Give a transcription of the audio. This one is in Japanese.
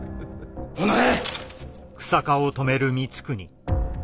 おのれ！